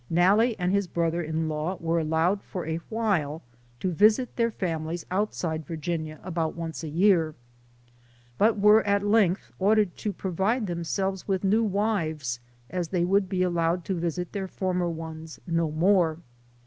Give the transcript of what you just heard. ISTalle and his brother in law were allowed for a while to visit their families outside Virginia about once a year, but were at length ordered to provide themselves with new wives, as they would be allowed to visit their former ones no more.